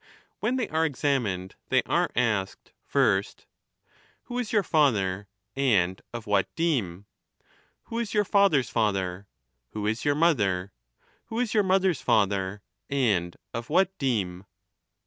When they are ex amined, they are asked, first, "Who is your father, and of what deme ? who is your father's father ? who is your mother ? who is your mother's father, and of what deme ?